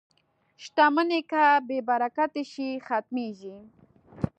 • شتمني که بې برکته شي، ختمېږي.